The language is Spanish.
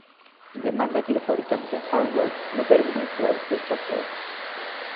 Demanda que los fabricantes de hardware no permitan instalar cualquier software